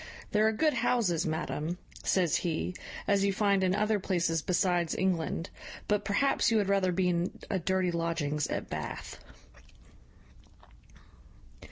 `There are good houses, madam,' says he, `as you find, in other places besides England; but perhaps you had rather be in a dirty lodgings at Bath.'